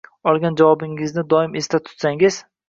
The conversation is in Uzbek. Olgan javobingizni doimo esda tutsangiz